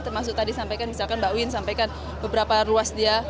termasuk tadi sampaikan misalkan mbak win sampaikan beberapa ruas dia